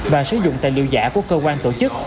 và sử dụng tài liệu giả của cơ quan tổ chức